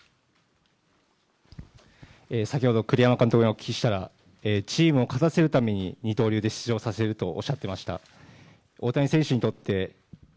先ほど栗山監督にお聞きしたら、チームを勝たせるために二刀流で出場させるとおっしゃっていました。